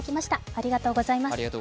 ありがとうございます。